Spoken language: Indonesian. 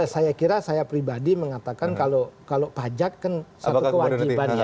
saya kira saya pribadi mengatakan kalau pajak kan satu kewajiban ya